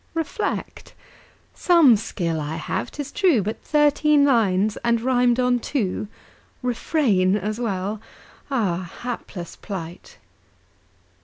Reflect. Some skill I have, 'tis true; But thirteen lines! and rimed on two! "Refrain" as well. Ah, Hapless plight!